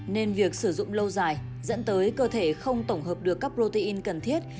nên việc sử dụng lâu dài dẫn tới cơ thể không tổng hợp được các protein cần thiết